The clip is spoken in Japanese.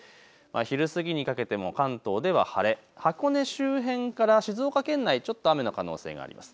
昼過ぎにかけても関東では晴れ、箱根周辺から静岡県内、ちょっと雨の可能性があります。